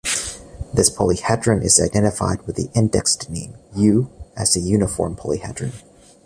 This polyhedron is identified with the indexed name U as a uniform polyhedron.